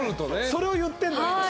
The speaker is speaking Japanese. それを言ってんの今。